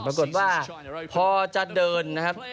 ปรากฏว่าพอจะเดิน